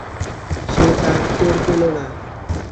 সে তা টের পেল না।